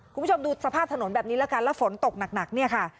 คุณผู้ชมดูสภาพถนนแบบนี้แล้วกันแล้วฝนตกหนักเนี่ยค่ะ